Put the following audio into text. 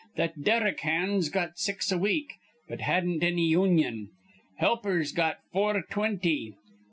Th' derrick hands got six a week, but hadn't anny union. Helpers got four twinty.